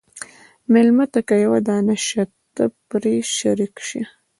مېلمه ته که یوه دانه شته، پرې شریک شه.